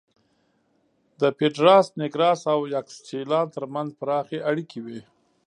د پېډراس نېګراس او یاکسچیلان ترمنځ پراخې اړیکې وې